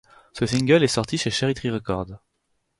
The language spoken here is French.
Ce single est sorti chez Cherrytree Records.